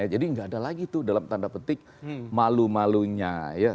jadi nggak ada lagi tuh dalam tanda petik malu malunya